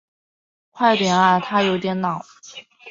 快点啊他有点恼